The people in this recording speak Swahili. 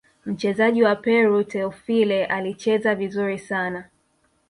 mchezaji wa peru teofile alicheza vizuri sana